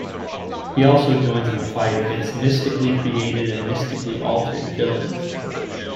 He also joins in the fight against mystically created and mystically altered villains.